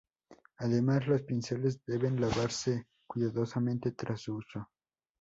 Además, los pinceles deben lavarse cuidadosamente tras su uso.